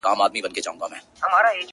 آصل سړی یمه له شماره وځم,